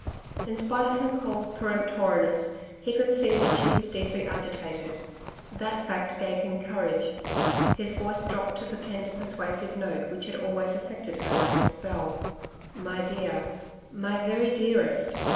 In spite of her cold peremptoriness he could see that she was deeply agitated. That fact gave him courage. His voice dropped to the tender persuasive note which had always affected her like a spell. 'My dear my very dearest....